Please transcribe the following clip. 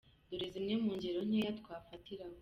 Dore zimwe mu ngero nkeya twafatiraho :